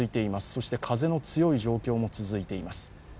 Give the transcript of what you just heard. そして風の強い状況も続いています。